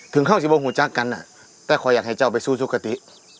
เข้าสิงหูจักรกันแต่ขออยากให้เจ้าไปสู้สุขติ